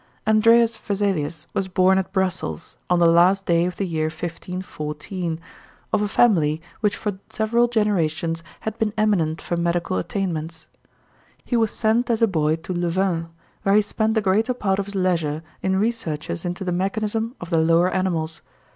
Andreas Vesalius was born at Brussels, on the last day of the year 1514, of a family which for several generations had been eminent for medical attainments. He was sent as a boy to Louvain, where he spent the greater part of his leisure in researches into the mechanism of the lower animals.